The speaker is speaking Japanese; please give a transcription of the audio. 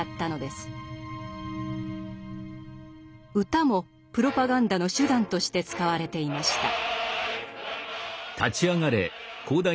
歌もプロパガンダの手段として使われていました。